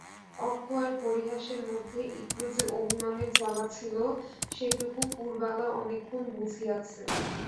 অক্ষয়ের পরিহাসের মধ্যে একটু যে অভিমানের জ্বালা ছিল, সেটুকু পুরবালা অনেকক্ষণ বুঝিয়াছে।